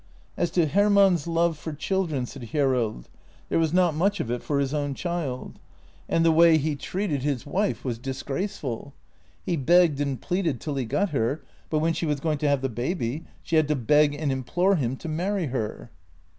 " As to Hermann's love for children," said Hjerrild, " there was not much of it for his own child. And the wav he treated JENNY 74 his wife was disgraceful. He begged and pleaded till he got her, but when she was going to have the baby, she had to beg and implore him to marry her."